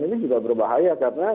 ini juga berbahaya karena